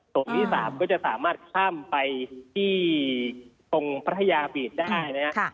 โถกที่สามก็จะสามารถข้ามไปที่ตรงพระธยาปีศได้นะฮะ